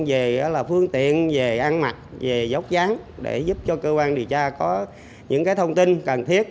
về là phương tiện về ăn mặc về dốc dáng để giúp cho cơ quan điều tra có những thông tin cần thiết